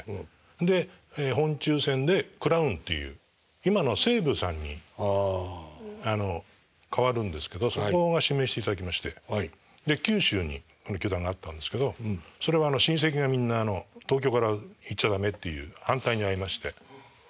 で本抽選でクラウンっていう今の西武さんに変わるんですけどそこが指名していただきまして九州にその球団があったんですけどそれは親戚がみんな東京から行っちゃ駄目っていう反対に遭いまして。